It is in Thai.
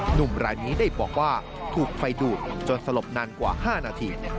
หนุ่มรายนี้ได้บอกว่าถูกไฟดูดจนสลบนานกว่า๕นาที